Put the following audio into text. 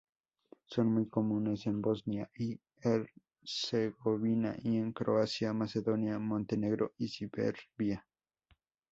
Son muy comunes en Bosnia y Herzegovina, y en Croacia, Macedonia, Montenegro y Serbia.